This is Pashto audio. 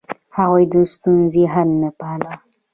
هغوی د ستونزې حل نه پاله.